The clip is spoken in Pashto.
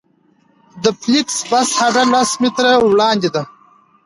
د فلېکس بس هډه لس متره وړاندې ده